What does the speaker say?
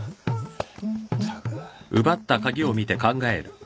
ったく。